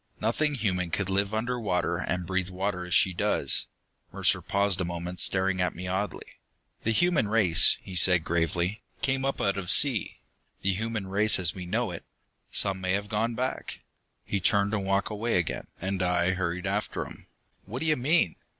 "Nothing human can live under water and breathe water, as she does!" Mercer paused a moment, staring at me oddly. "The human race," he said gravely, "came up out of sea. The human race as we know it. Some may have gone back." He turned and walked away again, and I hurried after him. "What do you mean.